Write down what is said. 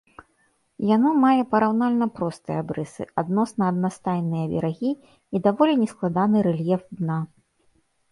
Яно мае параўнальна простыя абрысы, адносна аднастайныя берагі і даволі нескладаны рэльеф дна.